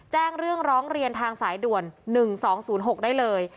แจ้งเรื่องร้องเรียนทางสายด่วน๑๒๐๖ได้เลย